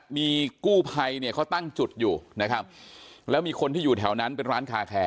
มีกู้ภัยเนี่ยเขาตั้งจุดอยู่นะครับแล้วมีคนที่อยู่แถวนั้นเป็นร้านคาแคร์